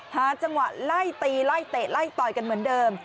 หาจังหวะไล่ตีไล่เตะไล่ต่อยกันเหมือนเดิม